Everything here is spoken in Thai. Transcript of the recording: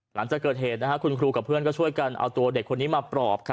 หลังจากเกิดเหตุคุณครูกับเพื่อนก็ช่วยกันเอาตัวเด็กคนนี้มาปลอบ